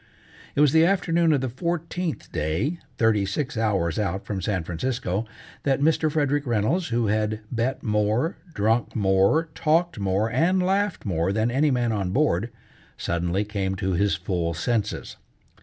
It was the afternoon of the fourteenth day, thirty six hours out from San Francisco, that Mr. Frederick Reynolds, who had bet more, drunk more, talked more, and laughed more than any man on board, suddenly came to his full senses.